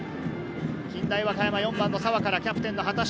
近大和歌山、４番の澤からキャプテンの畑下。